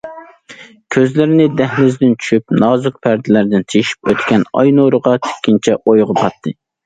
كۆزلىرىنى دەھلىزدىن چۈشۈپ، نازۇك پەردىلەردىن تېشىپ ئۆتكەن ئاي نۇرىغا تىككىنىچە ئويغا پاتتى.